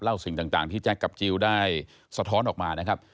สิ่งต่างที่แจ๊คกับจิลได้สะท้อนออกมานะครับ